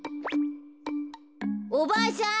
おばあさん